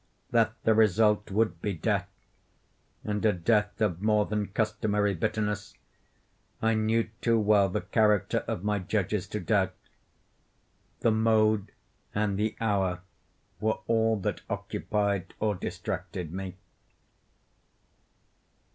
That the result would be death, and a death of more than customary bitterness, I knew too well the character of my judges to doubt. The mode and the hour were all that occupied or distracted me.